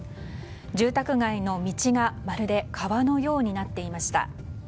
住宅街の道がまるで川のようになっていました。